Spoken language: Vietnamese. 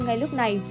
ngay lúc này